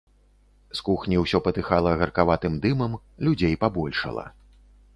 З кухні ўсё патыхала гаркаватым дымам, людзей пабольшала.